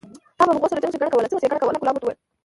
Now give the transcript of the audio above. تا به هغو سره څنګه ښېګڼه کوله؟ کلاب ورته وویل: